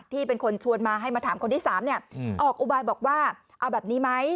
ที่เป็นคนชวนมาให้มาถามคนที่๓ออกอุบายบอกว่าเอาแบบนี้ไหม